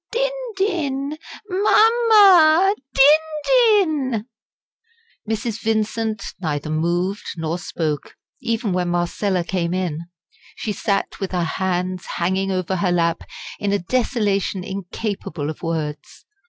din din! Máma! din din!" Mrs. Vincent neither moved nor spoke, even when Marcella came in. She sat with her hands hanging over her lap in a desolation incapable of words.